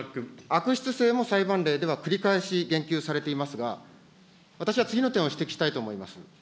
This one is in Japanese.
悪質性も裁判例では繰り返し言及されていますが、私は次の点を指摘したいと思います。